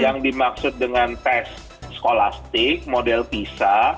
yang dimaksud dengan tes skolastik model pisa